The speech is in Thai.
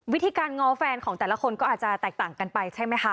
วิธีการง้อแฟนของแต่ละคนก็อาจจะแตกต่างกันไปใช่ไหมคะ